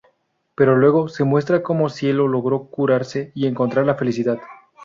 Pero luego, se muestra como Cielo logró curarse y encontrar la felicidad.